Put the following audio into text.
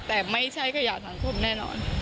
แต่ไม่ใช่ขยะสังคมแน่นอน